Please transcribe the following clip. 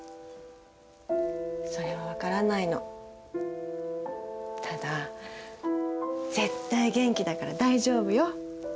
それは分からないのただ絶対元気だから大丈夫よ